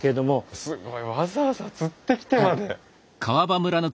すごいわざわざ釣ってきてまで。